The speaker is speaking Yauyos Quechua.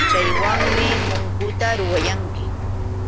Chaywanmi punkuta ruwayani.